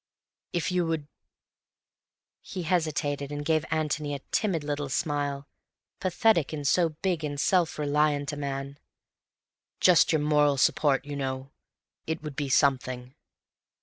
If you would—" He hesitated, and gave Antony a timid little smile, pathetic in so big and self reliant a man. "Just your moral support, you know. It would be something."